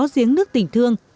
giếng nước tỉnh thương